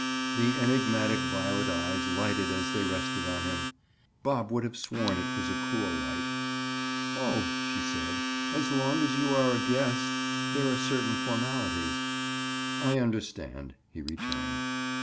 The enigmatic violet eyes lighted as they rested on him. Bob would have sworn it was a cruel light. "Oh," she said, "as long as you are a guest—? There are certain formalities—" "I understand," he returned.